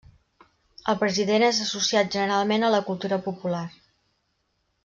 El president és associat generalment a la cultura popular.